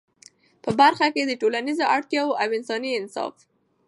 په برخه کي د ټولنیزو اړتیاوو او انساني انصاف